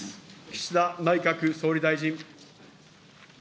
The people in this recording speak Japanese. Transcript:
岸田内閣総理大臣。